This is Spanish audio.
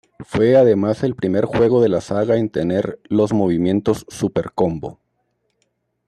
Fue además el primer juego de la saga en tener los movimientos "super combo".